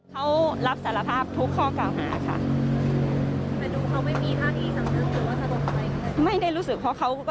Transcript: เขารับสารภาพทุกข้อเก่าหาค่ะ